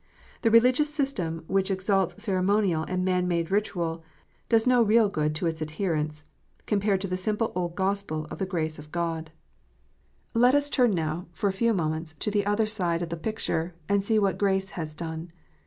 The religious system which exalts ceremonial and man made ritual does no real good to its adherents, compared to the simple old Gospel of the grace of God. 360 KNOTS UNTIED. Let us turn now, for a few moments, to the other side of the picture, and see what "grace" has done.